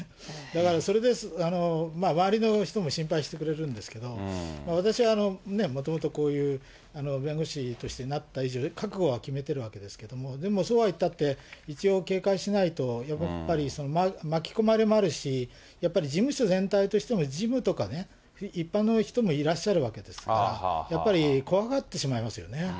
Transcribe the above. だから、それで周りの人も心配してくれるんですけど、私はもともとこういう、弁護士としてなった以上、覚悟は決めてるわけですけれども、でも、そうは言ったって、一応警戒しないと、やっぱり巻き込まれもあるし、やっぱり事務所全体としても、事務とかね、一般の人とかもいらっしゃるわけですから、やっぱり怖がってしまいますよね。